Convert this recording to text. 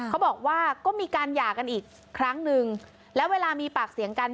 เขาบอกว่าก็มีการหย่ากันอีกครั้งนึงแล้วเวลามีปากเสียงกัน